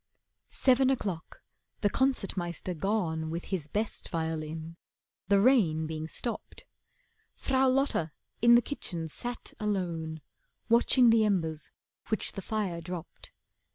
Seven o'clock, the Concert Meister gone With his best violin, the rain being stopped, Frau Lotta in the kitchen sat alone Watching the embers which the fire dropped.